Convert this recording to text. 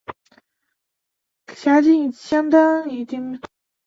辖境相当今陕西省蓝田县一带。